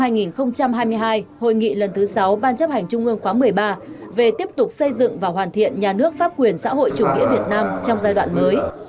hội nghị lần thứ sáu ban chấp hành trung ương khóa một mươi ba về tiếp tục xây dựng và hoàn thiện nhà nước pháp quyền xã hội chủ nghĩa việt nam trong giai đoạn mới